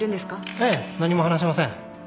ええ何も話しません。